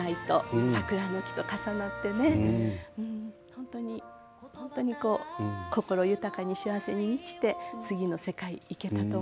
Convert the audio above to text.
本当に本当にこう心豊かに幸せに満ちて次の世界行けたと思います。